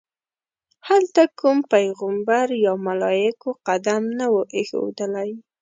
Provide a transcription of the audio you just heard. هلته کوم پیغمبر یا ملایکو قدم نه وي ایښودلی.